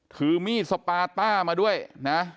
ถือมีดสปาต้ามาด้วยนะ